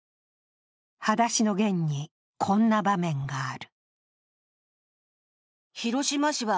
「はだしのゲン」にこんな場面がある。